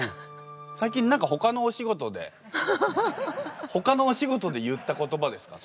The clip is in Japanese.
最近何かほかのお仕事でほかのお仕事で言った言葉ですか？